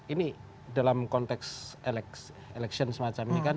ini dalam konteks election semacam ini kan